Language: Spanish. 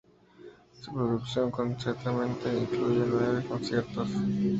Su producción concertante incluye nueve conciertos.